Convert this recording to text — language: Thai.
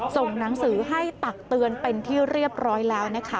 ส่งหนังสือให้ตักเตือนเป็นที่เรียบร้อยแล้วนะคะ